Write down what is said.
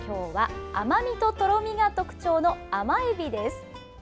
甘みととろみが特徴の甘えびです。